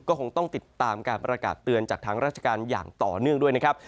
ก็คงต้องติดตามการประกาศเตือนจากทางราชการอย่างต่อเนื่องด้วยนะครับ